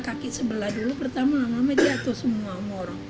kaki sebelah dulu pertama lama lama jatuh semua orang